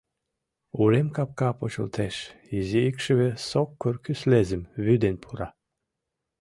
Урем капка почылтеш, изи икшыве сокыр кӱслезым вӱден пура.